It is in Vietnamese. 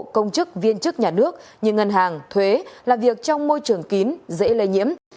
công chức viên chức nhà nước như ngân hàng thuế là việc trong môi trường kín dễ lây nhiễm